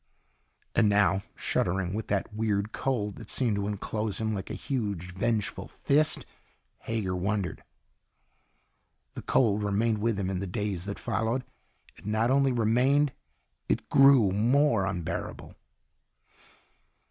_" And now, shuddering with that weird cold that seemed to enclose him like a huge, vengeful fist, Hager wondered. The cold remained with him in the days that followed. It not only remained. It grew more unbearable.